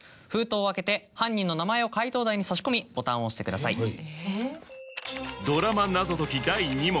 封筒を開けて犯人の名前を解答台に差し込みボタンを押してください。